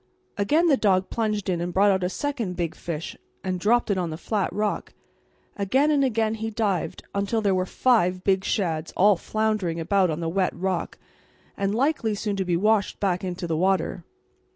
Again the dog plunged in and brought out a second big fish and dropped it on the flat rock, and again and again he dived, until there were five big shads all floundering about on the wet rock and likely soon to be washed back into the water.